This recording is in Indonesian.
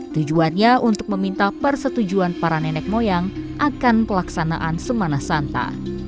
tujuannya untuk meminta persetujuan para nenek moyang akan pelaksanaan semana santa